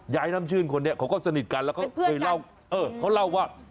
น้ำชื่นคนนี้เขาก็สนิทกันแล้วเขาเคยเล่าเออเขาเล่าว่า